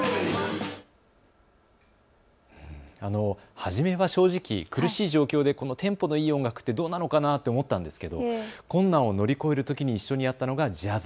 初めは正直、苦しい状況でテンポのいい音楽ってどうなのかなと思ったんですけれども、困難を乗り越えるときに一緒にやったのがジャズ。